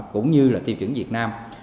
cũng như là tiêu chuẩn việt nam